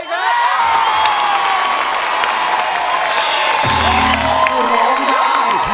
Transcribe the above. โลกใจโลกใจโลกใจโลกใจ